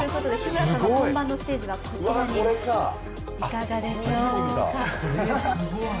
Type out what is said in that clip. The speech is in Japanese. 本番のステージはこちらに、いかがでしょうか。